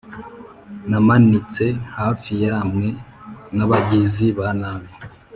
namanitse hafi hamwe n'abagizi ba nabi